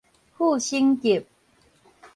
副省級